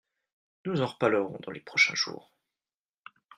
Nous en reparlerons dans les prochains jours.